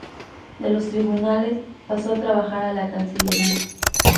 De los tribunales, pasó a trabajar a la Cancillería.